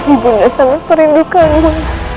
ibu saya sangat perlindunganmu